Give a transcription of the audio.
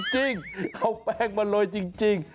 จริงเอาแป้งมาโรยจริง